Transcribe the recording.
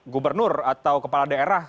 gubernur atau kepala daerah